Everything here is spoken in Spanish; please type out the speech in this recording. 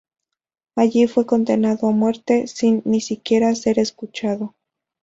Allí fue condenado a muerte sin, ni siquiera, ser escuchado.